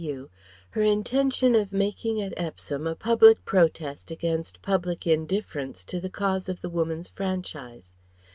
S.P.U. her intention of making at Epsom a public protest against public indifference to the cause of the Woman's Franchise.